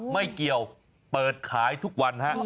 ไม่เกี่ยวเปิดขายทุกวันฮะ